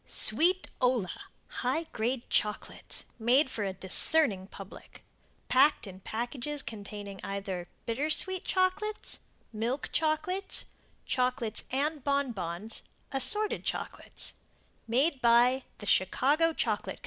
Sweetola High Grade Chocolates MADE FOR A DISCERNING PUBLIC Packed in Packages containing either BITTER SWEET CHOCOLATES MILK CHOCOLATES CHOCOLATES and BON BONS ASSORTED CHOCOLATES MADE BY The Chicago Chocolate Co.